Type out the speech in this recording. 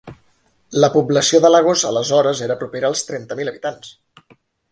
La població de Lagos aleshores era propera als trenta mil habitants.